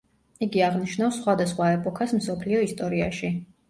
იგი აღნიშნავს სხვადასხვა ეპოქას მსოფლიო ისტორიაში.